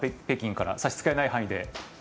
北京から、差し支えない範囲で。